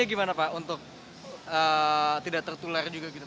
ya katanya gak boleh kemana mana lah